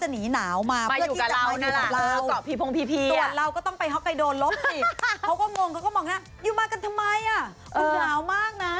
ตัวเราก็ต้องไปฮอกไกโดลลบสิเขาก็มองอยู่มากันทำไมคุณหนาวมากนะ